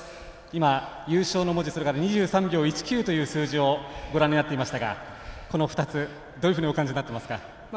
今、優勝の文字２３秒１９という数字をご覧になっていましたがこの２つ、どういうふうにお感じになっていますか？